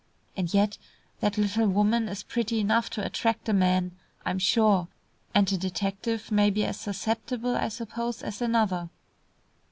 And yet, that little woman is pretty enough to attract a man, I'm sure; and a detective may be as susceptible, I suppose, as another."